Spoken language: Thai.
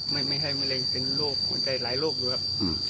ไม่ใช่มะเร็งเป็นโรคมีหลายโรคด้วยครับ